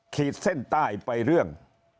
ขีดเส้นใต้ไปเรื่อง